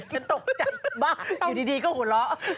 ฉันตกใจมากอยู่ดีก็หูล้อ